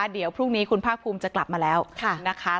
เดี๋ยวพรุ่งนี้คุณภาคภูมิจะกลับมาแล้วนะคะ